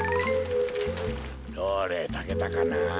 どれたけたかな？